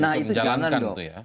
nah itu jangan dong